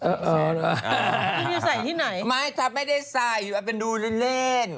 เออคุณจะใส่ที่ไหนไม่ครับไม่ได้ใส่เป็นดูเล่น